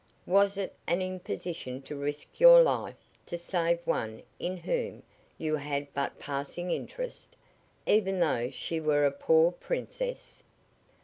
Was it an imposition to risk your life to save one in whom you had but passing interest, even though she were a poor princess?